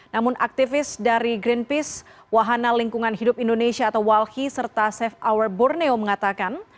namun aktivis dari greenpeace wahana lingkungan hidup indonesia atau walhi serta safe hour borneo mengatakan